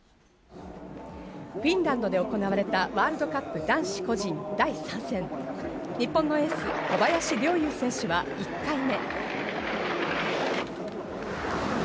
フィンランドでおこなわれたワールドカップ男子個人第３戦、日本のエース小林陵侑選手は１回目。